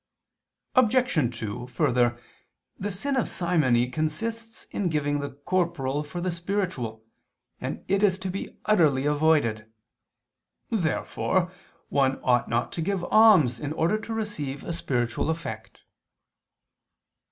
Obj. 2: Further, the sin of simony consists in giving the corporal for the spiritual, and it is to be utterly avoided. Therefore one ought not to give alms in order to receive a spiritual effect.